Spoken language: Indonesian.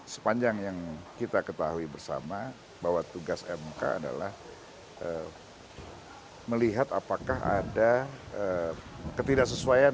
sepanjang yang kita ketahui bersama bahwa tugas mk adalah melihat apakah ada ketidaksesuaian